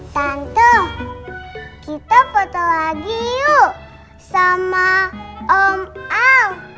tante kita foto lagi yuk sama om a